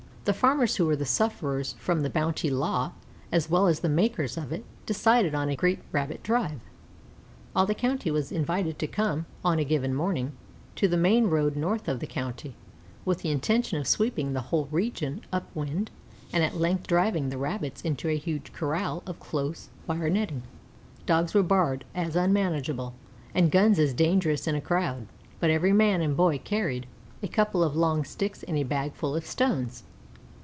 The farmers, who were the sufferers from the bounty law, as well as the makers of it, decided on a great Rabbit drive. All the county was invited to come, on a given morning, to the main road north of the county, with the intention of sweeping the whole region up wind and at length driving the Rabbits into a huge corral of close wire netting. Dogs were barred as unmanageable, and guns as dangerous in a crowd; but every man and boy carried a couple of long sticks and a bag full of stones.